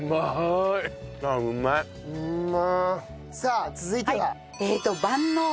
さあ続いては？